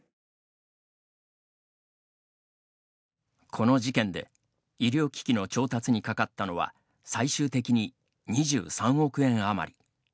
この事件で医療機器の調達にかかったのは最終的に２３億円余り。